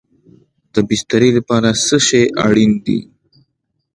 د بسترې لپاره څه شی اړین دی؟